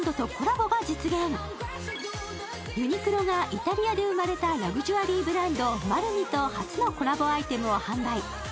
ユニクロがイタリアで生まれたラグジュアリーブランド、マルニと発表のコラボアイテムを販売。